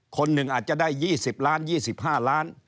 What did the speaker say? คนหนึ่งอาจจะได้๒๐ล้าน๒๕ล้าน